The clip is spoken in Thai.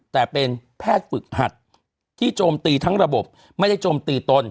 แต่เป็นแพทย์ฝึกหัดที่โจมตีทั้งระบบไม่ได้โจมตีตน